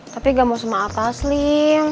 tapi gak mau sama apa slim